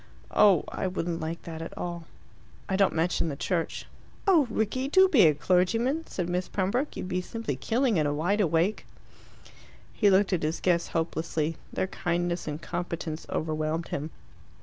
"Oh, I wouldn't like that at all." "I don't mention the Church." "Oh, Rickie, do be a clergyman!" said Miss Pembroke. "You'd be simply killing in a wide awake." He looked at his guests hopelessly. Their kindness and competence overwhelmed him.